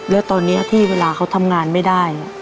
แล้วตอนนี้ที่เวลาเขาทำงานไม่ได้